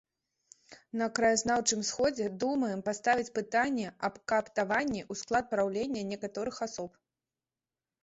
На краязнаўчым сходзе думаем паставіць пытанне аб кааптаванні ў склад праўлення некаторых асоб.